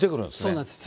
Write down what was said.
そうなんです。